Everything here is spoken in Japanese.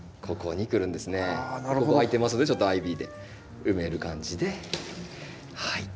ここ空いていますんでちょっとアイビーで埋める感じで。